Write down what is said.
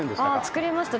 作りました。